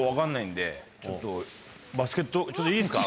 バスケットちょっといいですか？